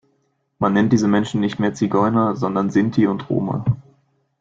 Man nennt diese Menschen nicht mehr Zigeuner, sondern Sinti und Roma.